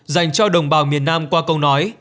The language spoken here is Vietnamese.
dành cho đồng bào miền nam qua câu nói